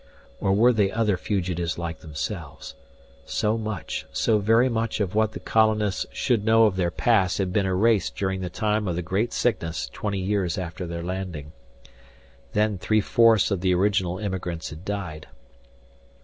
Or were they other fugitives like themselves? So much, so very much of what the colonists should know of their past had been erased during the time of the Great Sickness twenty years after their landing. Then three fourths of the original immigrants had died.